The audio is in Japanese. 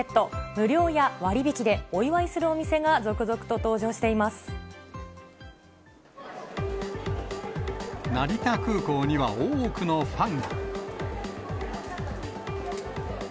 無料や割引でお祝いするお店が続成田空港には多くのファンが。